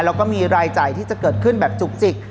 แล้วก็มีรายจ่ายที่จะเกิดขึ้นแบบจุกจิก